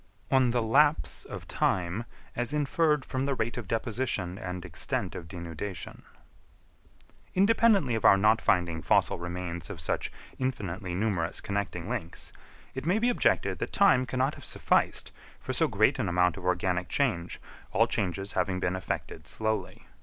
On the Lapse of Time, as inferred from the rate of deposition and extent of Denudation. Independently of our not finding fossil remains of such infinitely numerous connecting links, it may be objected that time cannot have sufficed for so great an amount of organic change, all changes having been effected slowly.